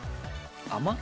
甘っ？